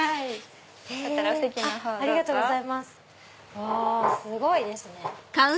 うわすごいですね。